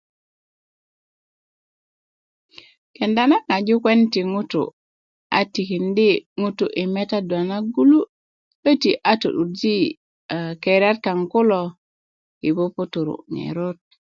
kenda na ŋaju kuwen ti ŋutu a tindi' ŋutu i metadu a na gulu köti a to'durji keriyat kaŋ kulo i puputru ŋerot